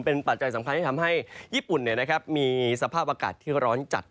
เป็นปัจจัยสำคัญที่ทำให้ญี่ปุ่นมีสภาพอากาศที่ร้อนจัด